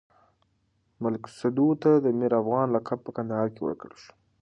ملک سدو ته د ميرافغانه لقب په کندهار کې ورکړل شو.